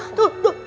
itu itu itu